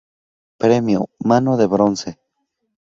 Premio ¨Mano de Bronce¨.